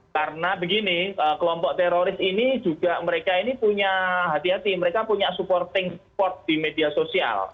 karena begini kelompok teroris ini juga mereka ini punya hati hati mereka punya supporting support di media sosial